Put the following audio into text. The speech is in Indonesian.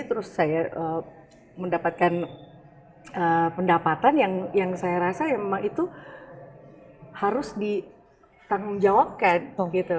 terus saya mendapatkan pendapatan yang saya rasa memang itu harus ditanggungjawabkan gitu